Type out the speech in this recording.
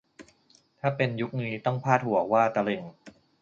ถ้าเป็นยุคนี้ต้องพาดหัวว่า ตะลึง !